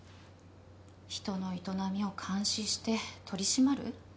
人の営みを監視して取り締まる。